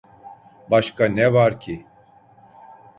Başka ne var ki?